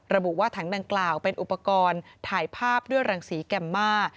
ระบุว่าถังดังกล่าวเป็นอุปกรณ์ถ่ายภาพด้วยรังสีแกมม่า